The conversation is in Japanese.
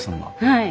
はい。